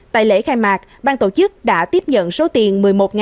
tại lễ khai mạc bang tổ chức đã tiếp nhận số tiền